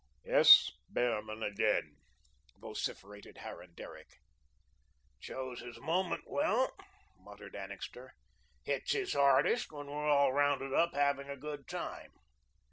"S. Behrman again," vociferated Harran Derrick. "Chose his moment well," muttered Annixter. "Hits his hardest when we're all rounded up having a good time."